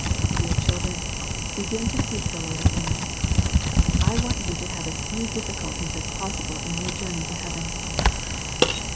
Dear children, begin to seek the Lord at once. I want you to have as few difficulties as possible in your journey to heaven.